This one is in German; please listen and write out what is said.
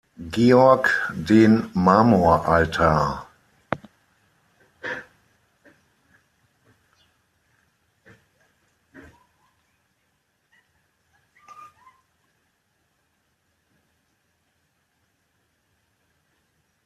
Georg den Marmoraltar.